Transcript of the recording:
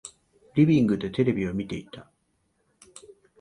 リビングでテレビを見ていた。